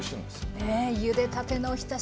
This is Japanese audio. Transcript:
ねえゆでたてのおひたし